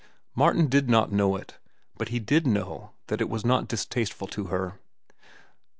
Martin did not know it, but he did know that it was not distasteful to her.